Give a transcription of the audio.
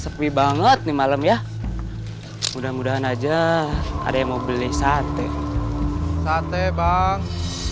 sepi banget nih malam ya mudah mudahan aja ada yang mau beli sate sate bang